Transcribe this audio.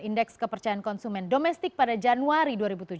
indeks kepercayaan konsumen domestik pada januari dua ribu tujuh belas